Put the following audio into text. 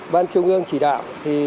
ban trung ương chỉ đạo